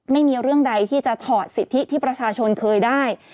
ไม่มีเรื่องใดที่จะถอดสิทธิที่ประชาชนเคยได้